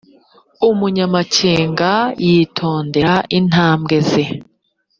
umunyamakenga yitondera intambwe ze